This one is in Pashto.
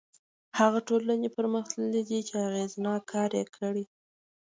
هغه ټولنې پرمختللي دي چې اغېزناک کار یې کړی.